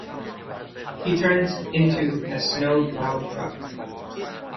He turns into a snow plow truck.